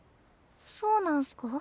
そうなんすか？